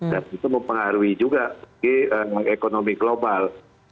dan itu mempengaruhi juga ekonomi global